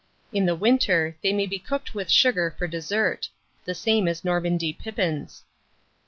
In the winter, they may be cooked with sugar for dessert, the same as Normandy pippins.